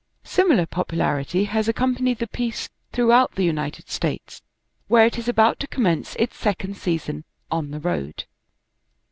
Similar popularity has accompanied the piece throughout the United States, where it is about to commence its second season " on the road."